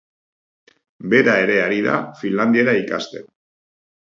Bera ere ari da finlandiera ikasten.